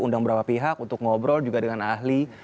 undang berapa pihak untuk ngobrol juga dengan ahli